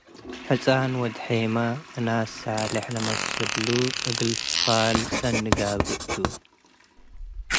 ” ሕጻን ወድ-ሔመ እናስ ሳሌሕ ለመስሉ እግል ፋል ሰኒ ለገብእ ቱ ።